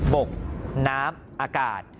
บกน้ำอากาศ